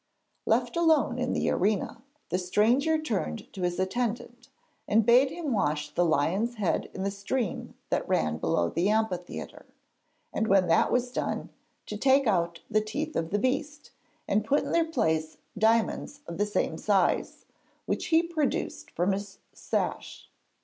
Left alone in the arena, the stranger turned to his attendant, and bade him wash the lion's head in the stream that ran below the amphitheatre, and, when that was done, to take out the teeth of the beast, and put in their place diamonds of the same size, which he produced from his sash.